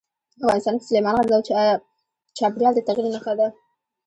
افغانستان کې سلیمان غر د چاپېریال د تغیر نښه ده.